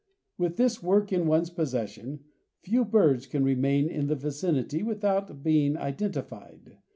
With this work in one's possession few birds can remain in the vicinity without being identified.